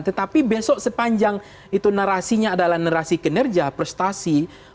tetapi besok sepanjang itu narasinya adalah narasi kinerja prestasi